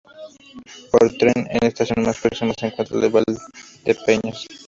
Por tren, la estación más próxima se encuentra en Valdepeñas.